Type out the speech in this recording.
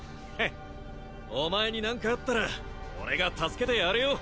お前に何かあったら俺が助けてやるよ